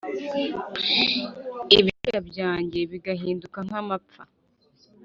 ibyuya byanjye bigahinduka nk'amapfa .